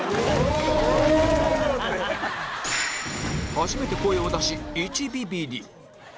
初めて声を出し１ビビリ